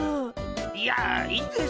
いやいいです。